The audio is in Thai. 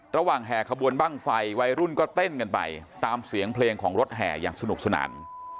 แห่ขบวนบ้างไฟวัยรุ่นก็เต้นกันไปตามเสียงเพลงของรถแห่อย่างสนุกสนาน